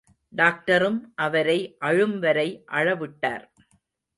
டாக்டரும், அவரை அழும்வரை அழவிட்டார்.